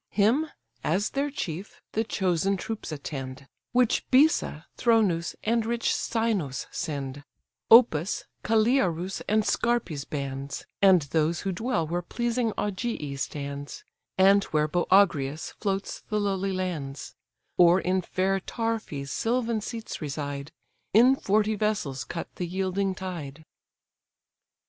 Him, as their chief, the chosen troops attend, Which Bessa, Thronus, and rich Cynos send; Opus, Calliarus, and Scarphe's bands; And those who dwell where pleasing Augia stands, And where Boägrius floats the lowly lands, Or in fair Tarphe's sylvan seats reside: In forty vessels cut the yielding tide.